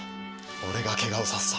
俺がケガをさせた。